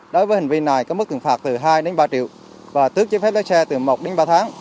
đối với hành vi này có mức tiền phạt từ hai đến ba triệu và tước giấy phép lái xe từ một đến ba tháng